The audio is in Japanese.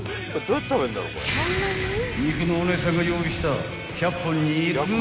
［肉のお姉さんが用意した］